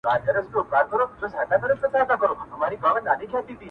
د نوم له سيـتاره دى لـوېـدلى~